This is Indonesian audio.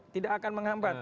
tidak akan menghambat